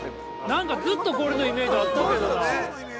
◆なんか、ずっとこれのイメージあったけどな。